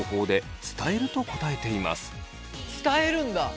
伝えるんだ。